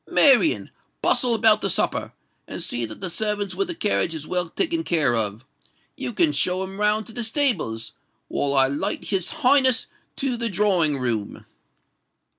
Marian, bustle about the supper—and see that the servants with the carriage is well taken care of. You can show 'em round to the stables; while I light his Highness to the drawing room."